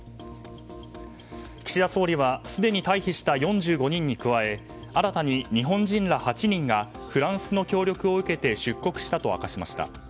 岸田総理はすでに退避した４５人に加え新たに日本人ら８人がフランスの協力を受けて出国したと明かしました。